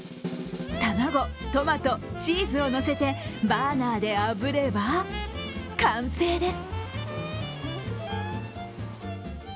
卵、トマト、チーズをのせてバーナーであぶれば完成です。